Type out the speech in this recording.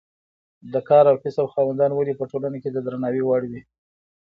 د کار او کسب خاوندان ولې په ټولنه کې د درناوي وړ وي.